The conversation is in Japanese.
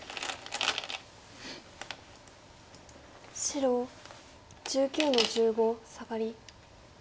白１９の十五サガリ。